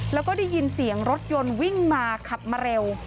แล้วก็ได้ยินเสียงรถยนต์วิ่งมาขับมาเร็ว